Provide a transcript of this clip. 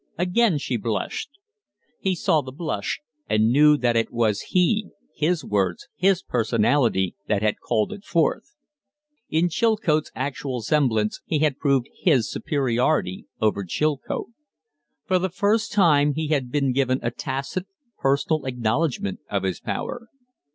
Again she blushed. He saw the blush, and knew that it was he his words, his personality that had called it forth. In Chilcote's actual semblance he had proved his superiority over Chilcote. For the first time he had been given a tacit, personal acknowledgment of his power.